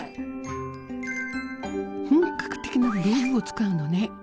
本格的な道具を使うのね。